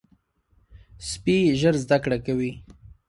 سپي ژر زده کړه کوي.